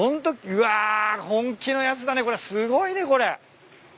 うわ本気のやつだねすごいねこれ。